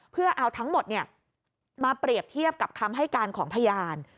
เพื่อเอาทั้งหมดมาเปรียบเทียบกับคำให้การของพยาน